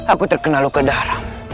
aku terkenal ke daram